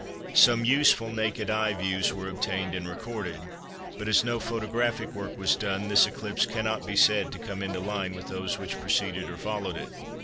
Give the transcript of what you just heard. Some useful naked eye views were obtained and recorded, but as no photographic work was done, this eclipse cannot be said to come into line with those which preceded or followed it.